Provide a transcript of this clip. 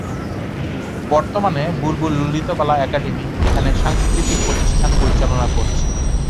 বর্তমানে বুলবুল ললিতকলা একাডেমি এখানে সাংস্কৃতিক প্রতিষ্ঠান পরিচালনা করছে।